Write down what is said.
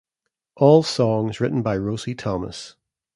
All songs written by Rosie Thomas.